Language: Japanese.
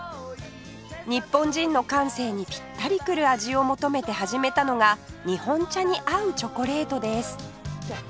日本人の感性にピッタリくる味を求めて始めたのが日本茶に合うチョコレートです